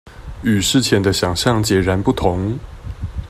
與事前的想像截然不同